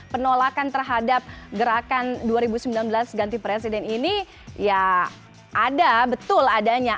penolakan terhadap gerakan dua ribu sembilan belas ganti presiden ini ya ada betul adanya